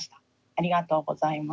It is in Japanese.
ありがとうございます。